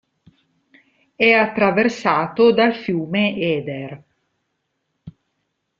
È attraversato dal fiume Eder.